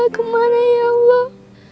kemana ya allah